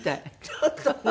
ちょっとね。